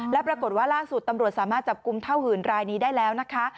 และปรากฏว่าล่าสุดตำรวจสามารถจับกลุ่มเท่าหื่นรายนี้ได้แล้วนะคะ